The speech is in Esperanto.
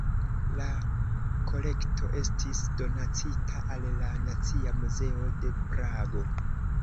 La kolekto estis donacita al la Nacia Muzeo de Prago.